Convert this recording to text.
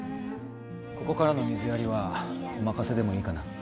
ここからの水やりはお任せでもいいかな。